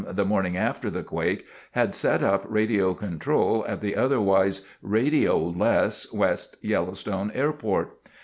the morning after the quake had set up radio control at the otherwise radioless West Yellowstone Airport.